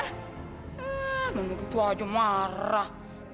hmm memang gitu aja marah